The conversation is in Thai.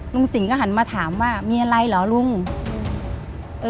สิ่งก็หันมาถามว่ามีอะไรเหรอลุง